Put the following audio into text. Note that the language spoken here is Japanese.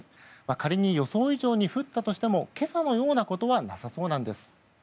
仮に予想以上に降ったとしても今朝のようなことはなさそうなんです。